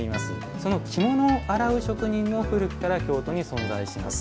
その着物を洗う職人が古くから京都に存在します。